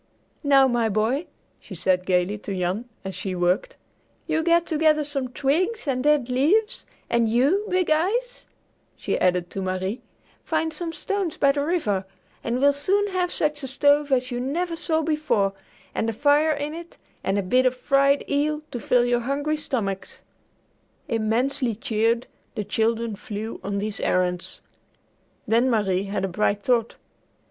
"Now, my boy," she said gayly to Jan as she worked, "you get together some twigs and dead leaves, and you, Big Eyes," she added to Marie, "find some stones by the river, and we'll soon have such a stove as you never saw before, and a fire in it, and a bit of fried eel, to fill your hungry stomachs." Immensely cheered, the children flew on these errands. Then Marie had a bright thought.